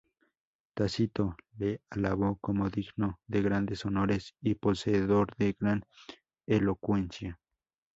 Tácito le alabó como digno de grandes honores y poseedor de gran elocuencia.